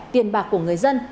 tiền bạc của người dân